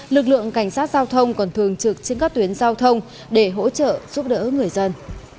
lực lượng cảnh sát giao thông còn thường trực trên các tuyến giao thông để hỗ trợ giúp đỡ người dân